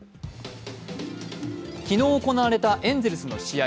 昨日行われたエンゼルスの試合。